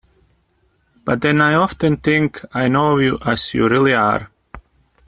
But then I often think I know you as you really are.